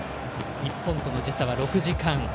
日本との時差は６時間。